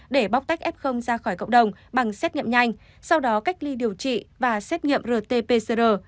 để bóc tách f ra khỏi cộng đồng bằng xét nghiệm nhanh sau đó cách ly điều trị và xét nghiệm rt pcr